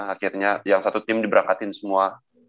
akhirnya yang satu tim diberangkatin semua